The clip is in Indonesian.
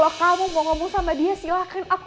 kalau kamu mau ngomong sama dia silahkan ucapin ke aku